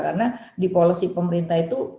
karena di polisi pemerintah itu